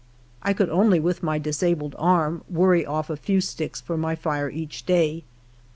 I could only, with my disabled arm, worry off a few sticks for my tire each day.